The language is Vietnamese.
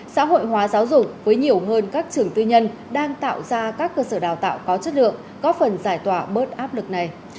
xã hội hóa giáo dục với nhiều hơn các trường tư nhân đang tạo ra các cơ sở đào tạo có chất lượng góp phần giải tỏa bớt áp lực này